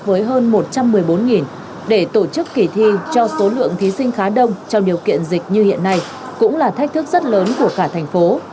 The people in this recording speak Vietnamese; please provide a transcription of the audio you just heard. với hơn một trăm một mươi bốn để tổ chức kỳ thi cho số lượng thí sinh khá đông trong điều kiện dịch như hiện nay cũng là thách thức rất lớn của cả thành phố